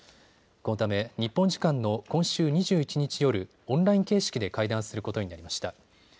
このため日本時間の今週２１日夜、オンライン形式で会談することになりました。